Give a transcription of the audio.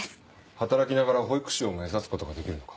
働きながら保育士を目指すことができるのか。